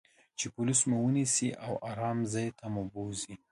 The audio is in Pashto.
چې پولیس مو و نییسي او آرام ځای ته مو بوزي.